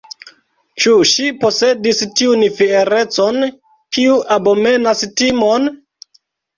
Ĉu ŝi posedis tiun fierecon, kiu abomenas timon?